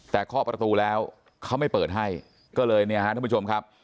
แต่เข้าประตูแล้วเขาไม่เปิดให้ทุกผู้ชมค่ะ